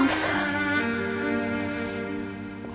maupun dari mama